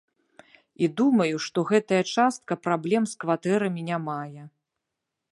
І думаю, што гэтая частка праблем з кватэрамі не мае.